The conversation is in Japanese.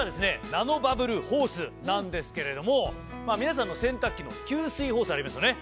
ナノバブルホースなんですけれども皆さんの洗濯機の吸水ホースありますよね。